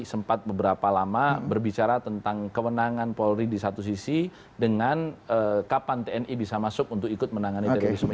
sempat beberapa lama berbicara tentang kewenangan polri di satu sisi dengan kapan tni bisa masuk untuk ikut menangani terorisme